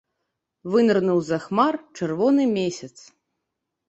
Вынырнуў з-за хмар чырвоны месяц.